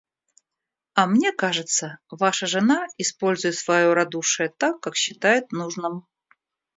А мне кажется, ваша жена использует свое радушие так, как считает нужным.